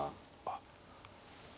あっ。